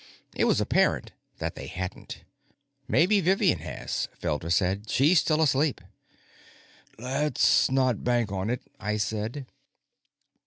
It was apparent that they hadn't. "Maybe Vivian has," Felder said. "She's still asleep." "Let's not bank on it," I said.